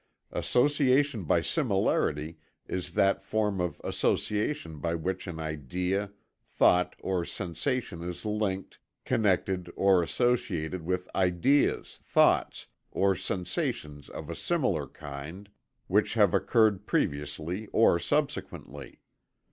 Association by similarity is that form of association by which an idea, thought, or sensation is linked, connected, or associated with ideas, thoughts, or sensations of a similar kind, which have occurred previously or subsequently.